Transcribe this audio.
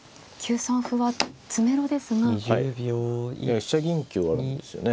飛車銀香あるんですよね。